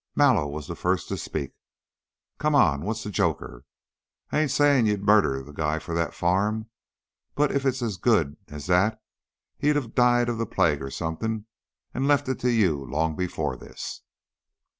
Mallow was the first to speak. "Come on. What's the joker? I ain't saying you'd murder the guy for that farm, but if it's as good as that he'd of died of the plague or something, and left it to you long before this."